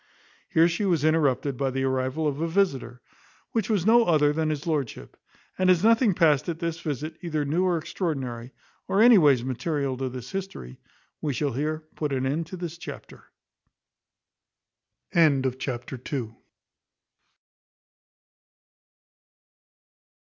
Here she was interrupted by the arrival of a visitor, which was no other than his lordship; and as nothing passed at this visit either new or extraordinary, or any ways material to this history, we shall here put an end to this chapter. Chapter iii.